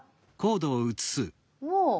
もう。